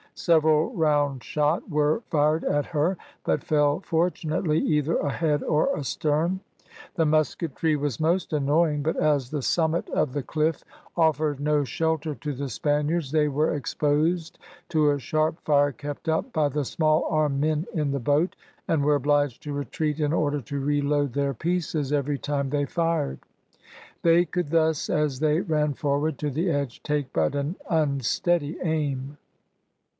Several round shot were fired at her, but fell fortunately either ahead or astern; the musketry was most annoying, but as the summit of the cliff offered no shelter to the Spaniards, they were exposed to a sharp fire kept up by the small arm men in the boat, and were obliged to retreat in order to reload their pieces every time they fired. They could thus as they ran forward to the edge take but an unsteady aim.